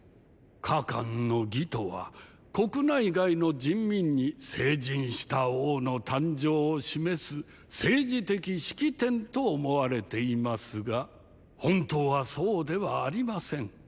「加冠の儀」とは国内外の人民に成人した王の誕生を示す政治的式典と思われていますが本当はそうではありません。